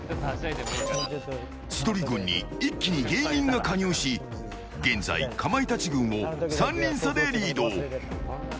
千鳥軍に一気に芸人が加入し現在、かまいたち軍を３人差でリード。